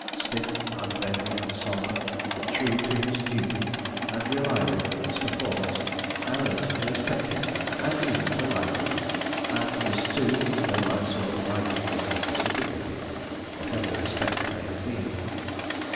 Stiff, unbending, and sombre, but true to his duty and reliable in its performance, I learned to respect him, and even to like him; and this, too, though I saw the liking was not reciprocated, whatever the respect may have been.